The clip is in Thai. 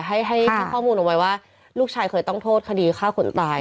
ให้ข้อมูลเอาไว้ว่าลูกชายเคยต้องโทษคดีฆ่าคนตาย